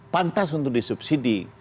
pantas untuk disubsidi